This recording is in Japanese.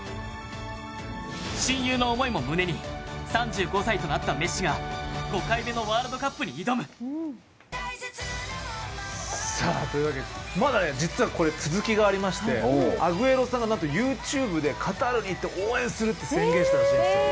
親友の思いも胸に３５歳となったメッシが５回目のワールドカップに挑む！というわけでまだ、実はこれ続きがありましてアグエロさんがＹｏｕＴｕｂｅでカタールに行って応援するって宣言したらしいんですよ。